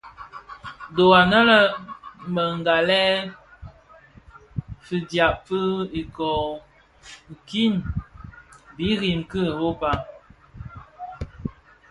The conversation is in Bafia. Dho anë a më ghalèn, fidyab fi ikōō, kiň biriň ki Europa.